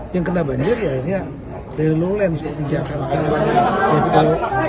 yang kena banjir akhirnya dari lowland seperti di jakarta